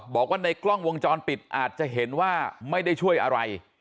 บอกว่าในกล้องวงจรปิดอาจจะเห็นว่าไม่ได้ช่วยอะไร